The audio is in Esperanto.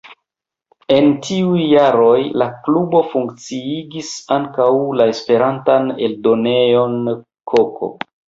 En tiuj jaroj la klubo funkciigis ankaŭ la Esperantan eldonejon “Koko”.